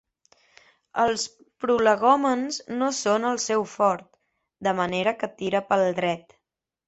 Els prolegòmens no són el seu fort, de manera que tira pel dret.